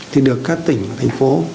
thì được các tỉnh thành phố